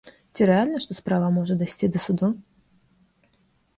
Ці рэальна, што справа можа дайсці да суду?